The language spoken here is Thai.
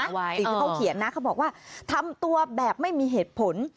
สิ่งที่เขาเขียนนะเขาบอกว่าทำตัวแบบไม่มีเหตุผล